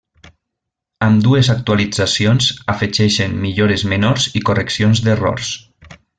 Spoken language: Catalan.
Ambdues actualitzacions afegeixen millores menors i correccions d'errors.